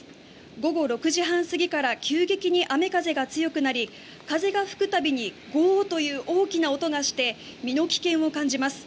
午後６時半過ぎから急激に雨風が強くなり風が吹くたびにゴーという大きな音がして身の危険を感じます。